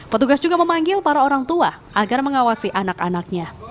petugas juga memanggil para orang tua agar mengawasi anak anaknya